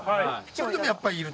それでもやっぱりいる。